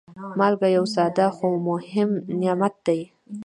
مالګه یو ساده، خو مهم نعمت دی.